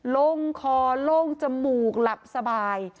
ลงคอลงจมูกหลับสบาย